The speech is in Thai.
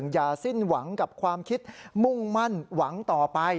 อย่าสิ้นหวังกับความคิดมุ่งมั่นหวังต่อไป